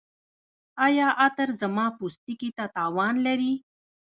ایا عطر زما پوستکي ته تاوان لري؟